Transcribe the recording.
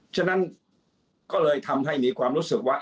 ฉะนั้นก็เลยทำให้มีความรู้สึกว่า